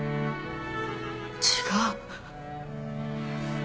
違う